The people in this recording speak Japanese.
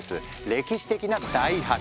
歴史的な大発見！